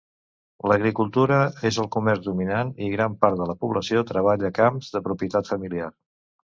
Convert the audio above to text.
L'agricultura és el comerç dominant i gran part de la població treballa camps de propietat familiar.